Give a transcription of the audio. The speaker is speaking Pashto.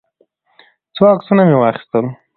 څو عکسونه مې واخیستل.